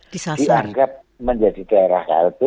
dianggap menjadi daerah klb